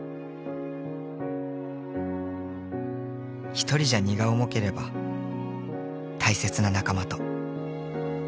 「１人じゃ荷が重ければ大切な仲間と」